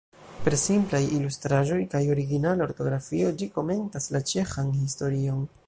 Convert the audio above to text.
Per simplaj ilustraĵoj kaj originala ortografio ĝi komentas la ĉeĥan historion.